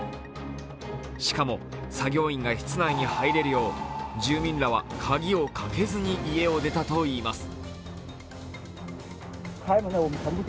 しかも、作業員が室内に入れるよう住民らは鍵をかけずに家を出たといいます。